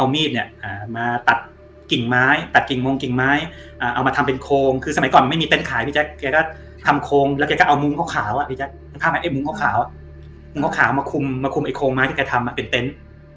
มีเต็นต์ขายพี่แจ๊คแกก็ทำโค้งแล้วแกก็เอามุ้งขาวมาคุมโค้งมาที่แกทำเป็นเต็นต์